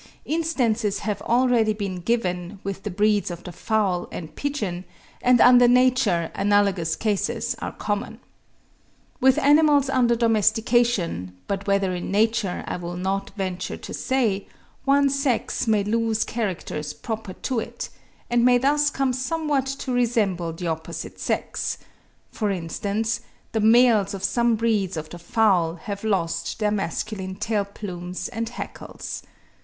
Instances have already been given with the breeds of the fowl and pigeon, and under nature analogous cases are common. With animals under domestication, but whether in nature I will not venture to say, one sex may lose characters proper to it, and may thus come somewhat to resemble the opposite sex; for instance, the males of some breeds of the fowl have lost their masculine tail plumes and hackles.